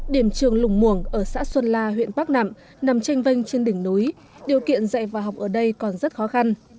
điểm trường lùng muồng ở xã xuân la huyện bắc nẵm nằm tranh vanh trên đỉnh núi điều kiện dạy và học ở đây còn rất khó khăn